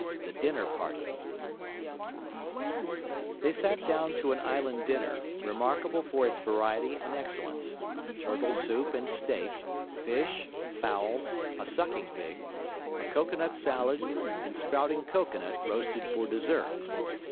THE DINNER PARTY They sat down to an island dinner, remarkable for its variety and excellence; turtle soup and steak, fish, fowls, a sucking pig, a cocoanut salad, and sprouting cocoanut roasted for dessert.